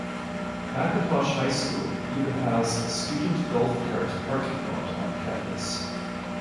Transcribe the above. McIntosh High School even has a student golf cart parking lot on campus.